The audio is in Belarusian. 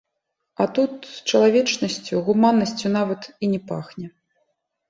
А тут чалавечнасцю, гуманнасцю нават і не пахне.